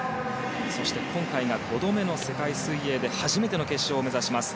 今回が５度目の世界水泳で初めての決勝を目指します。